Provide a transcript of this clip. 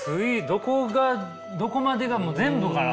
どこがどこまでがもう全部かな。